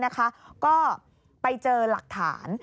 ก็ไปเจอหลักฐาน